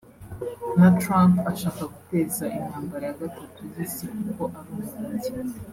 na Trump ashaka guteza intambara ya gatatu y’Isi kuko ari umurage